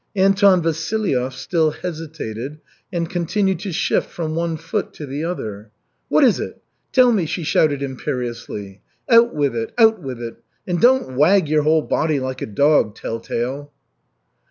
Anton Vasilyev still hesitated and continued to shift from one foot to the other. "What is it? Tell me!" she shouted imperiously. "Out with it, out with it! And don't wag your whole body like a dog, Telltale!"